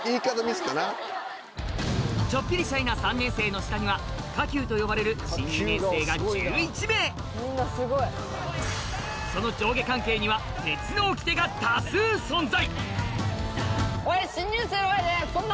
ちょっぴりシャイな３年生の下には下級と呼ばれる新２年生が１１名その上下関係にはが多数存在